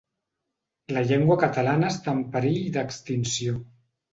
La llengua catalana està en perill d'extinció.